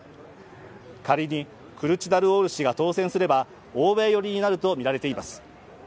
仮にクルチダルオール氏が当選すれば欧米寄りになるとみられています。